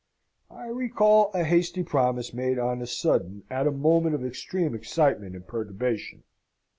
"I recall a hasty promise made on a sudden at a moment of extreme excitement and perturbation.